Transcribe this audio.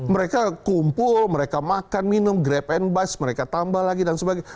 mereka kumpul mereka makan minum grab and bis mereka tambah lagi dan sebagainya